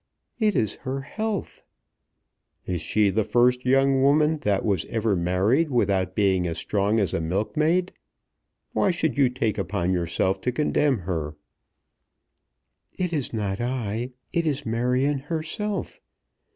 "It is her health." "Is she the first young woman that was ever married without being as strong as a milkmaid? Why should you take upon yourself to condemn her?" "It is not I. It is Marion herself.